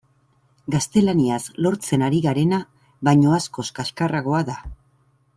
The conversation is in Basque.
Gaztelaniaz lortzen ari garena baino askoz kaxkarragoa da.